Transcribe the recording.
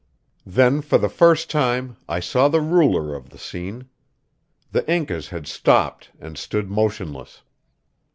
Then for the first time I saw the ruler of the scene. The Incas had stopped and stood motionless.